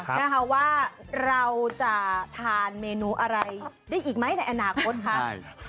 นะคะว่าเราจะทานเมนูอะไรได้อีกไหมในอนาคตคะใช่